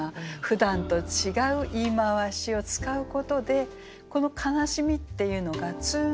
ふだんと違う言い回しを使うことでこの悲しみっていうのがつーんと心に残る。